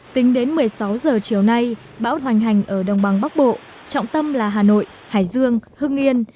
tính đến một mươi sáu giờ chiều nay bão hoành hành ở đồng bằng bắc bộ trọng tâm là hà nội hải dương hưng yên